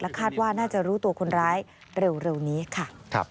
คาดว่าน่าจะรู้ตัวคนร้ายเร็วนี้ค่ะ